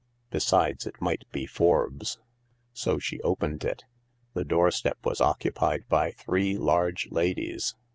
Besides, it might be Forbes. So she opened it. The doorstep was occupied by three large ladies.